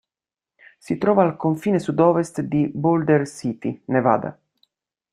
Si trova al confine sudovest di Boulder City, Nevada.